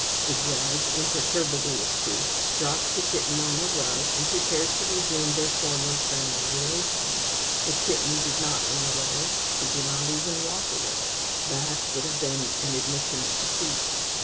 The judge, imperturbably obtuse, dropped the kitten on the rug, and prepared to resume their former friendly relations. The kitten did not run away, she did not even walk away; that would have been an admission of defeat.